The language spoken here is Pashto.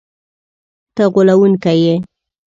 ته غولونکی یې!”